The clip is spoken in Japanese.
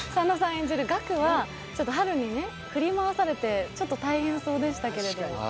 演じるガクはハルに振り回されて、ちょっと大変そうでしたけど。